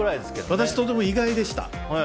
私はとても意外でした。